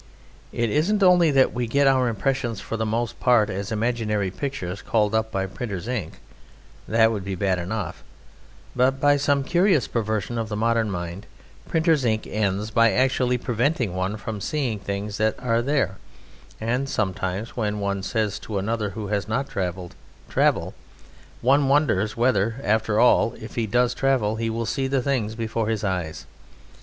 It isn't only that we get our impressions for the most part as imaginary pictures called up by printer's ink that would be bad enough; but by some curious perversion of the modern mind, printer's ink ends by actually preventing one from seeing things that are there; and sometimes, when one says to another who has not travelled, "Travel!" one wonders whether, after all, if he does travel, he will see the things before his eyes?